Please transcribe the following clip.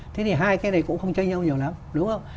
thế thì hai cái này cũng không chê nhau nhiều lắm đúng không